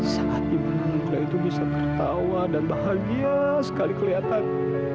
saat ibu muda itu bisa tertawa dan bahagia sekali kelihatan